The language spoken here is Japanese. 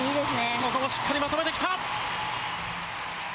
ここもしっかりまとめてきた。